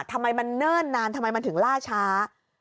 ทำไมมันเนิ่นนานทำไมมันถึงล่าช้า